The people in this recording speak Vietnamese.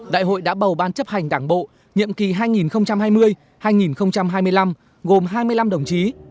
đại hội đã bầu ban chấp hành đảng bộ nhiệm kỳ hai nghìn hai mươi hai nghìn hai mươi năm gồm hai mươi năm đồng chí